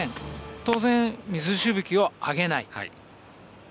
当然水しぶきを上げない。